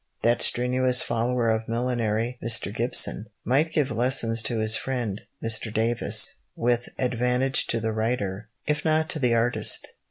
That strenuous follower of millinery, Mr. Gibson, might give lessons to his friend, Mr. Davis, with advantage to the writer, if not to the artist.